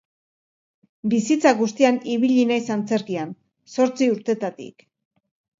Bizitza guztian ibili naiz antzerkian, zortzi urtetatik.